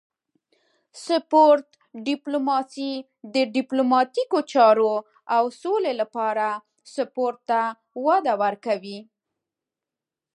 سپورت ډیپلوماسي د ډیپلوماتیکو چارو او سولې لپاره سپورت ته وده ورکوي